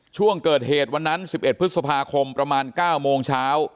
ช่วงเกิดเหตุวันนั้น๑๑พฤษภาคมประมาณ๙โมงเช้า